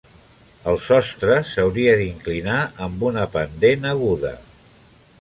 El sostre s'hauria d'inclinar amb una pendent aguda.